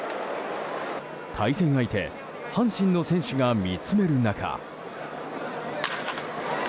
対戦相手阪神の選手が見つめる中。